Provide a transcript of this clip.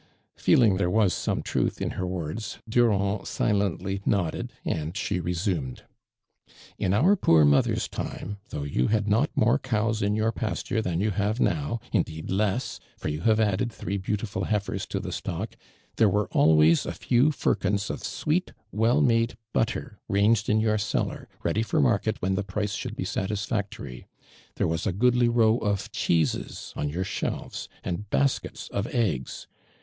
Feeling there was some truth in her words, Durand silently nodded, and she resinned ; "In our poor mother's time, though you liad not more cows in your pasture than you have now, indeed less, for you have addeil three beautiful lieifers to the stock, there were always a few firkins of sweet, well made butter ranged in your cellar, leady for market when the price should be satis factory ; there was a goodly row of cheeses on your slielves, and baskets of eggs.